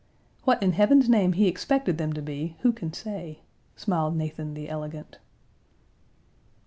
What in Heaven's name he expected them to be, who can say?" smiled Nathan the elegant.